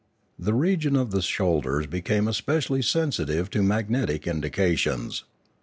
The region of the shoulders became especially sensitive to magnetic indications.